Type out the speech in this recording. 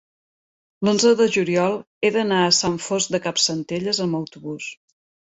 l'onze de juliol he d'anar a Sant Fost de Campsentelles amb autobús.